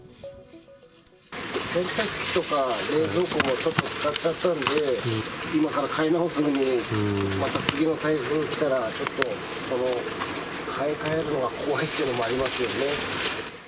洗濯機とか冷蔵庫もちょっとつかっちゃったんで、今から買い直すのにも、また次の台風が来たら、ちょっと、買い替えるのが怖いというのもありますよね。